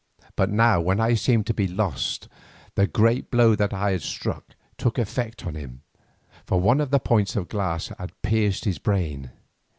But now when I seemed to be lost the great blow that I had struck took effect on him, for one of the points of glass had pierced to his brain.